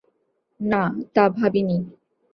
না, তা ভাবি নি।